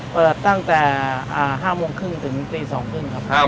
เปิดตั้งแต่๕โมงครึ่งถึงตีสองครึ่งครับ